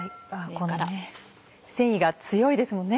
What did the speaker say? この繊維が強いですもんね。